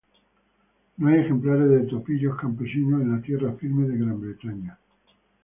No hay ejemplares de topillos campesinos en la tierra firme de Gran Bretaña.